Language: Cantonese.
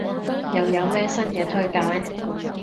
又有咩新嘢推介？